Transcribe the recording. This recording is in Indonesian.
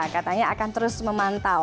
katanya akan terus memantau